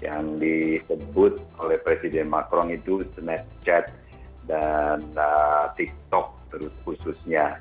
yang disebut oleh presiden macron itu snapchat dan tiktok terus khususnya